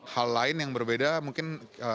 hal lain yang berbeda mungkin